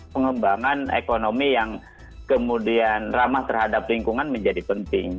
pengembangan ekonomi yang kemudian ramah terhadap lingkungan menjadi penting